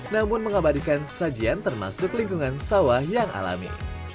namun mengabadikan sajian termasuk lingkungan sawah yang alami